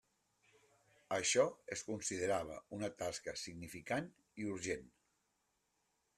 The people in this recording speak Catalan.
Això es considerava una tasca significant i urgent.